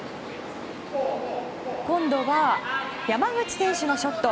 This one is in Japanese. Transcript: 今度は山口選手のショット。